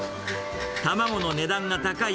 卵の値段が高い